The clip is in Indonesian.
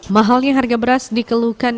mahalnya harga beras dikeluhkan